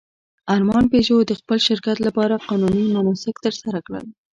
ارمان پيژو د خپل شرکت لپاره قانوني مناسک ترسره کړل.